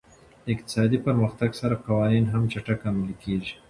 د اقتصادي پرمختګ سره قوانین هم چټک عملي کېږي.